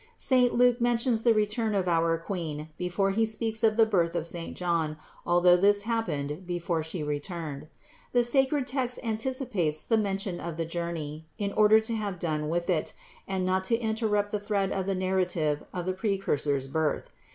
Saint Luke mentions the return of our Queen before he speaks of the birth of saint John, although this happened before She returned. The sacred text anticipates the mention of the journey, in order to have done with it, and not to interrupt the thread of the narrative of the Precursor's birth.